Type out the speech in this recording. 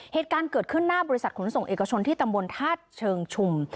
เหตุการณ์เกิดขึ้นหน้าบริษัทขนส่งเอกชนที่ตำบลธาตุเชิงชุม